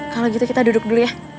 kalau gitu kita duduk dulu ya